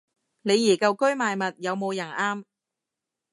李怡舊居賣物，有冇人啱